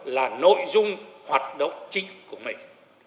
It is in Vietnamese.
là nội dung hoạt động chính của mình